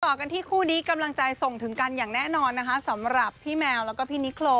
ต่อกันที่คู่นี้กำลังใจส่งถึงกันอย่างแน่นอนนะคะสำหรับพี่แมวแล้วก็พี่นิโคร